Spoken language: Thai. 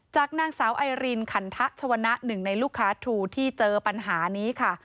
จากนางสาวไอรินขันทะชวนะหนึ่งในลูกค้าทรูที่เจอปัญหานี้ค่ะ